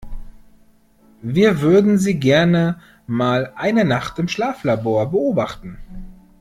Wir würden Sie gerne mal eine Nacht im Schlaflabor beobachten.